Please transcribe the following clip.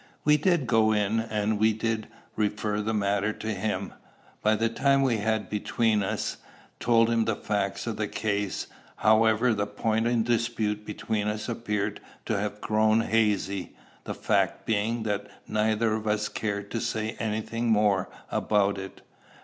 We did go in, and we did refer the matter to him. By the time we had between us told him the facts of the case, however, the point in dispute between us appeared to have grown hazy, the fact being that neither of us cared to say any thing more about it.